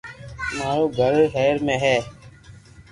مارو گھر ھير مي ھي